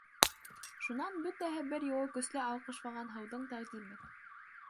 Шунан бөтәһе бер юлы көслө алҡышлаған һыуҙың тәҡдимен.